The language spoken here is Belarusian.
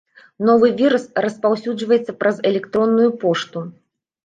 Новы вірус распаўсюджваецца праз электронную пошту.